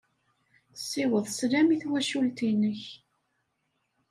Ssiweḍ sslam i twacult-nnek.